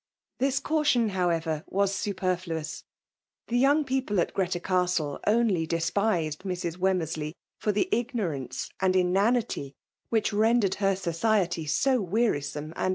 ^^ This caution, however, was superfluous. Tbi3 young people at Greta Castle only despiped Mrs. W^mmcriAey for the ignorance and im^nity which rendered her society so wearisome soad